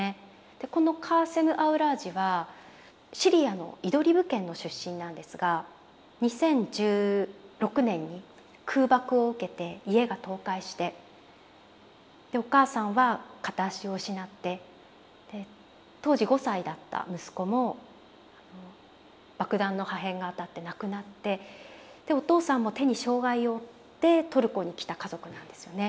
このカーセム・アウラージはシリアのイドリブ県の出身なんですが２０１６年に空爆を受けて家が倒壊してでお母さんは片足を失って当時５歳だった息子も爆弾の破片が当たって亡くなってでお父さんも手に障害を負ってトルコに来た家族なんですよね。